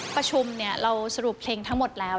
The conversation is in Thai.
ประชุมเราสรุปเพลงทั้งหมดแล้ว